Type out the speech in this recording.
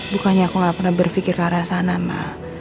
bukannya aku nggak pernah berpikir ke arah sana mak